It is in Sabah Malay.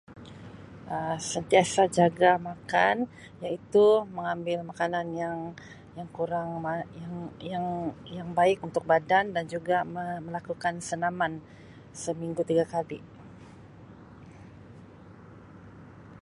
Um sentiasa jaga makan iaitu mengambil makanan yang yang kurang ma yang yang yang baik untuk badan dan juga me melakukan senaman seminggu tiga kali